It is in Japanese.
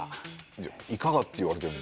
いやいかがって言われても。